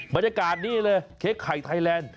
บรรยากาศนี่เลยเค้กไข่ไทยแลนด์